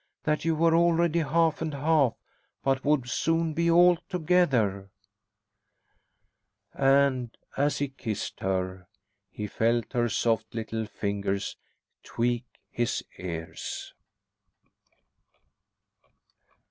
"That you were already half and half, but would soon be altogether." And, as he kissed her, he felt her soft little fingers tweak his ears.